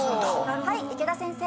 はい池田先生。